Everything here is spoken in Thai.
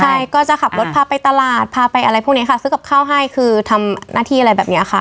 ใช่ก็จะขับรถพาไปตลาดพาไปอะไรพวกนี้ค่ะซื้อกับข้าวให้คือทำหน้าที่อะไรแบบนี้ค่ะ